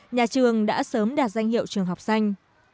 nhà trường đã sớm đạt danh hiệu trường học xanh